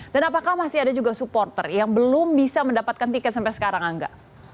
dan apakah masih ada juga supporter yang belum bisa mendapatkan tiket sampai sekarang angga